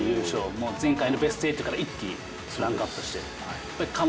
もう前回のベスト８から一気にランクアップして。